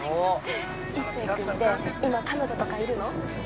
一世君って今彼女とかいるの？